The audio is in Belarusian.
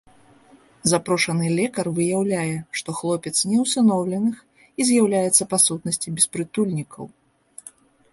Запрошаны лекар выяўляе, што хлопец не усыноўленых і з'яўляецца па сутнасці беспрытульнікаў.